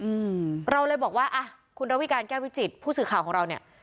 อืมเราเลยบอกว่าอ่ะคุณระวิการแก้ววิจิตผู้สื่อข่าวของเราเนี้ย